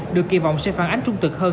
được kỳ vọng sẽ phản ánh trung tực hơn